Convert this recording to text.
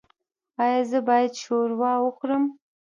ایا زه باید شوروا وخورم؟